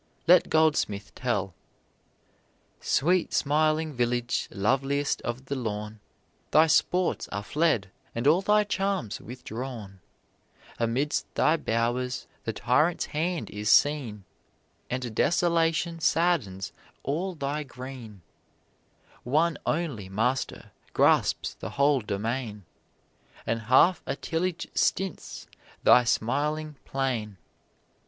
Let Goldsmith tell: "Sweet smiling village, loveliest of the lawn, Thy sports are fled, and all thy charms withdrawn: Amidst thy bowers the tyrant's hand is seen, And desolation saddens all thy green; One only master grasps the whole domain, And half a tillage stints thy smiling plain.